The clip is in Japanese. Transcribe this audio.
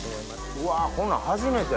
うわこんなん初めて。